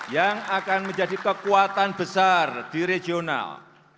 yang akan menjadi kekuatan besar di regional